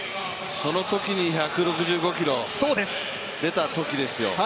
そのときに１６５キロが出たときですよ。